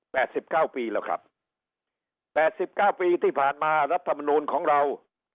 สิบเก้าปีแล้วครับแปดสิบเก้าปีที่ผ่านมารัฐมนูลของเรา